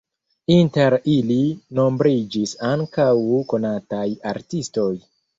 Inter ili nombriĝis ankaŭ konataj artistoj.